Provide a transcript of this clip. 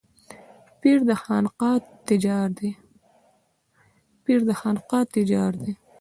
پير د خانقاه تجار دی.